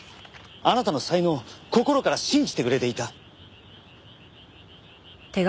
あなたの才能を心から信じてくれていた。